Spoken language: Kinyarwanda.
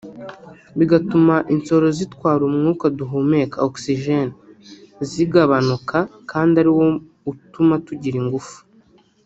bigatuma insoro zitwara umwuka duhumeka (oxygene) zigabanuka kandi ari wo utuma tugira ingufu